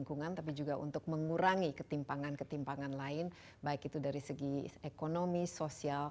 dan juga untuk mengembangkan kemampuan ekonomi